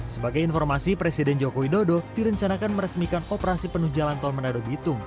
sebagai informasi presiden joko widodo direncanakan meresmikan operasi penuh jalan tol menado bitung